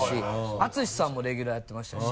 淳さんもレギュラーやってましたし。